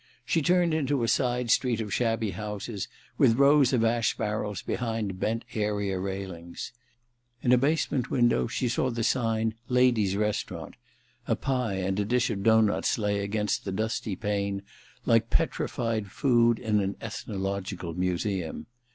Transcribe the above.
She turned into a side street of shabby houses, with rows of ash barrels behind bent area railings. In a basement window she saw the sign Ladies' Restaurant: a pie and a dish of doughnuts lay against the dusty pane like petrified rood in an ethnological museum.